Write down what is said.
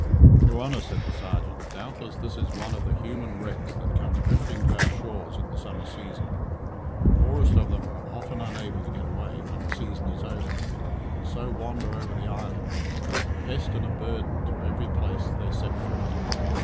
"Your Honour," said the sergeant, "doubtless this is one of the human wrecks that come drifting to our shores in the summer season. The poorest of them are often unable to get away when the season is over, and so wander over the island, a pest and a burden to every place they set foot in."